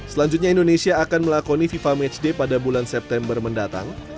selanjutnya indonesia akan melakoni fifa matchday pada bulan september mendatang